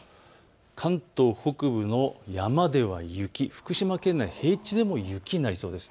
関東北部の山では雪福島県内平地でも雪になりそうです。